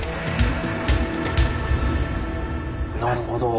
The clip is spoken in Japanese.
なるほど。